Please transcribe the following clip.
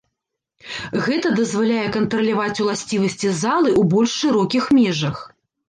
Гэта дазваляе кантраляваць уласцівасці залы ў больш шырокіх межах.